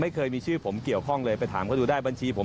เคยมีชื่อผมเกี่ยวข้องเลยไปถามเขาดูได้บัญชีผม